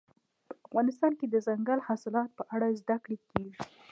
افغانستان کې د دځنګل حاصلات په اړه زده کړه کېږي.